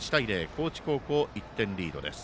高知高校、１点リードです。